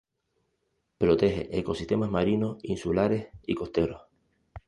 Protege ecosistemas marinos, insulares y costeros.